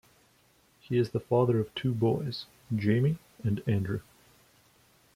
He is the father of two boys, Jamie and Andrew.